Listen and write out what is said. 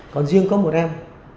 còn riêng có một em